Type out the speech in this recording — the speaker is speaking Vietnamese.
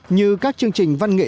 như các chương trình văn nghệ